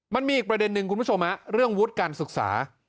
มันมีอีกประเด็นหนึ่งคุณผู้ชมเรื่องวุฒิการศึกษา